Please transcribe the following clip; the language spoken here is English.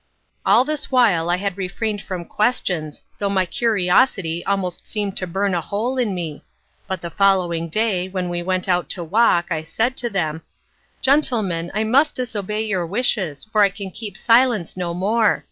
All this while I had refrained from questions, though my curiosity almost seemed to burn a hole in me, but the following day, when we went out to walk, I said to them, "Gentlemen, I must disobey your wishes, for I can keep silence no more.